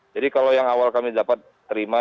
jadi kalau yang awal kami dapat terima